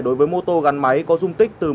đối với mô tô gắn máy có dung tích từ